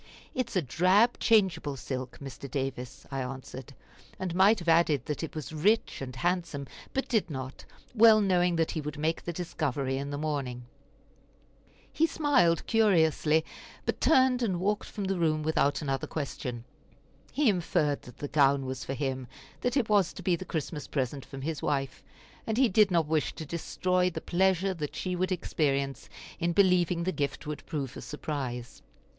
"It is a drab changeable silk, Mr. Davis," I answered; and might have added that it was rich and handsome, but did not, well knowing that he would make the discovery in the morning. He smiled curiously, but turned and walked from the room without another question. He inferred that the gown was for him, that it was to be the Christmas present from his wife, and he did not wish to destroy the pleasure that she would experience in believing that the gift would prove a surprise.